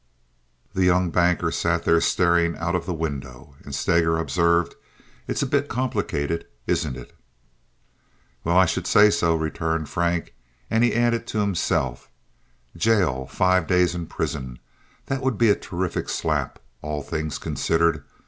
The young banker sat there staring out of the window, and Steger observed, "It is a bit complicated, isn't it?" "Well, I should say so," returned Frank, and he added to himself: "Jail! Five days in prison!" That would be a terrific slap, all things considered.